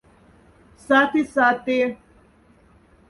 Саты, саты.